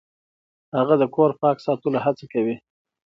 هغه د کور پاک ساتلو هڅه کوي.